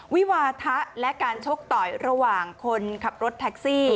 วิวาทะและการชกต่อยระหว่างคนขับรถแท็กซี่